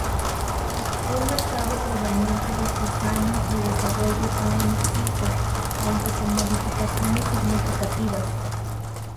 Un mercado proveniente de sus años de desarrollo aún existe, aunque con modificaciones significativas.